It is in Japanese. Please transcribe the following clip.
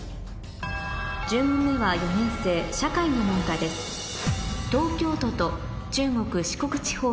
１０問目は４年生社会の問題ですへぇ。